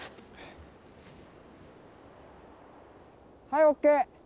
はいＯＫ！